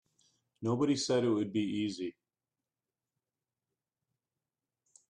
Nobody said it would be easy.